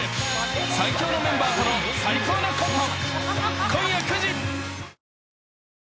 ［最強のメンバーとの最高のコント］